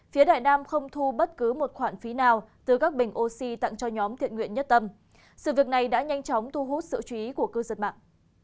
phía đại nam không thu bất cứ một khoản phí nào từ các bình oxy tặng cho nhóm thiện nguyện nhất tâm sự việc này đã nhanh chóng thu hút sự chú ý của cư dân mạng